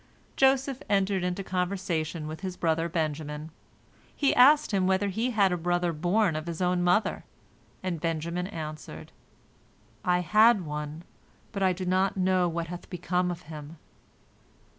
Joseph entered into conversation with his brother Benjamin. He asked him whether he had a brother borne by his own mother, and Benjamin answered, "I had one, but I do not know what hath become of him."